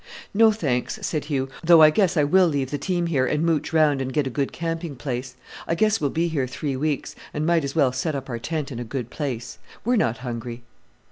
"No, thanks," said Hugh, "though I guess I will leave the team here and mooch round and get a good camping place. I guess we'll be here three weeks, and might as well set up our tent in a good place. We're not hungry."